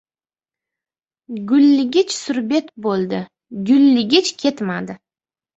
Gulligich surbet bo‘ldi. Gulligich ketmadi.